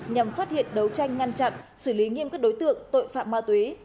nhằm phát hiện đấu tranh ngăn chặn xử lý nghiêm các đối tượng tội phạm ma túy